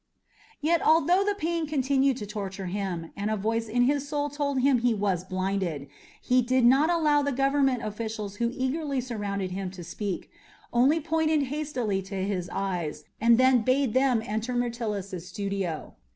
Yet, although the pain continued to torture him, and a voice in his soul told him that he was blinded, he did not allow the government officials who eagerly surrounded him to speak, only pointed hastily to his eyes, and then bade them enter Myrtilus's studio.